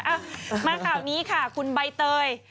มาคราวนี้ค่ะคุณใบเตย